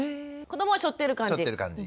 子どもはしょってる感じ？